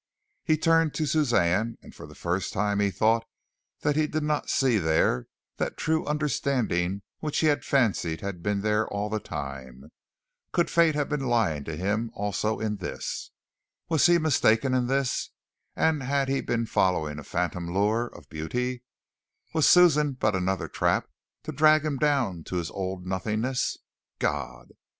He turned to Suzanne, and for the first time he thought that he did not see there that true understanding which he had fancied had been there all the time. Could fate have been lying to him also in this? Was he mistaken in this, and had he been following a phantom lure of beauty? Was Suzanne but another trap to drag him down to his old nothingness? God!